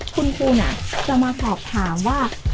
คุณครูจะมาสอบถามว่า